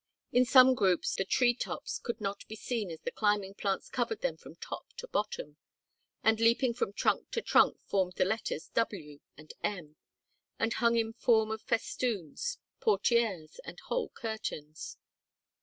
In some groups the tree tops could not be seen as the climbing plants covered them from top to bottom, and leaping from trunk to trunk formed the letters W and M and hung in form of festoons, portières, and whole curtains.